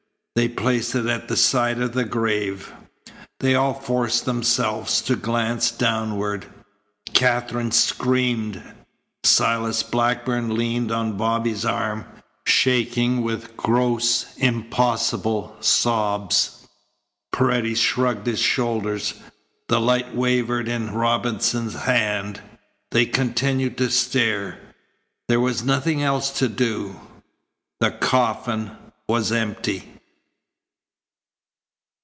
They placed it at the side of the grave. They all forced themselves to glance downward. Katherine screamed. Silas Blackburn leaned on Bobby's arm, shaking with gross, impossible sobs. Paredes shrugged his shoulders. The light wavered in Robinson's hand. They continued to stare. There was nothing else to do. The coffin was empty.